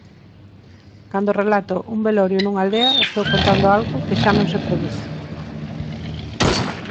Cando relato un velorio nunha aldea estou contando algo que xa non se produce.